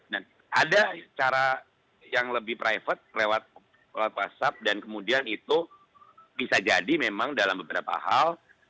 dan ada cara yang lebih private lewat whatsapp dan kemudian itu bisa jadi memang dalam beberapa hal